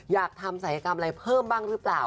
อยากทำศัยกรรมอะไรเพิ่มบ้างหรือเปล่า